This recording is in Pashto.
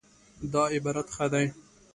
دا عبارت ښه دی